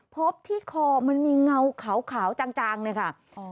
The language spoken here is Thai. พบที่คอมันมีเงาขาวจางเลยค่ะ